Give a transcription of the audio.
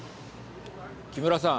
木村さん。